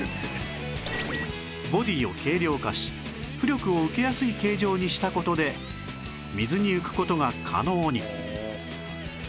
ボディーを軽量化し浮力を受けやすい形状にした事で水に浮く事が可能に